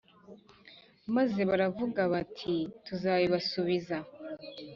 Maze baravuga bati Tuzabibasubiza